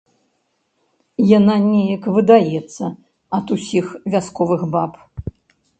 Яна неяк выдаецца ад усіх вясковых баб.